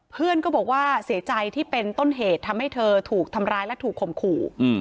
เพื่อนก็บอกว่าเสียใจที่เป็นต้นเหตุทำให้เธอถูกทำร้ายและถูกข่มขู่